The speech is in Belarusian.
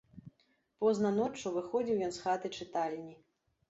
Позна ноччу выходзіў ён з хаты-чытальні.